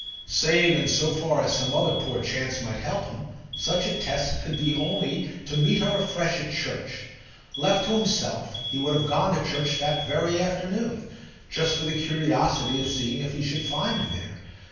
Save in so far as some other poor chance might help him, such a test could be only to meet her afresh at church. Left to himself he would have gone to church the very next afternoon, just for the curiosity of seeing if he should find her there.